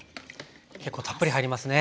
結構たっぷり入りますね。